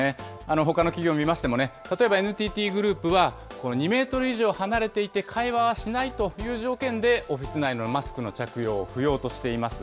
ほかの企業を見ましても、例えばＮＴＴグループは、この２メートル以上離れていて、会話はしないという条件で、オフィス内のマスクの着用を不要としています。